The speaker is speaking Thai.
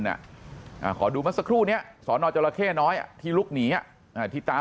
เนี่ยขอดูมาสักครู่เนี่ยสอนหน่อจราเข้น้อยที่ลุกหนีที่ตา